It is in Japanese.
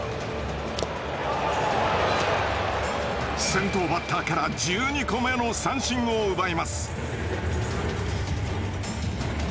先頭バッターから１２個目の三振を奪います。